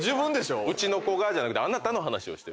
うちの子がじゃなくてあなたの話をしてる。